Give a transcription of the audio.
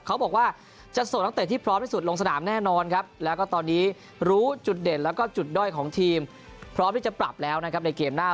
เขาบอกว่าจะส่งนักเตะที่พร้อมที่สุดลงสนามแน่นอนครับแล้วก็ตอนนี้รู้จุดเด่นแล้วก็จุดด้อยของทีมพร้อมที่จะปรับแล้วนะครับในเกมหน้า